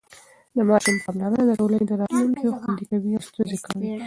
د ماشوم پاملرنه د ټولنې راتلونکی خوندي کوي او ستونزې کموي.